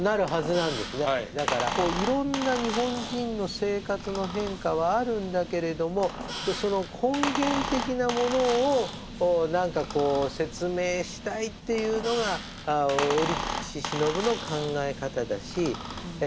だからいろんな日本人の生活の変化はあるんだけれどもその根源的なものを何かこう説明したいっていうのが折口信夫の考え方だしあ